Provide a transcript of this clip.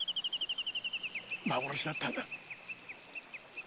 幻だったんだ。